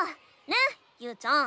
ねゆうちゃん。